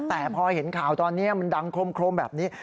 แต่พอเห็นข่าวตอนนี้มันดังโครมแบบนี้